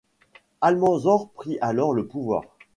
Almanzor prit alors le pouvoir.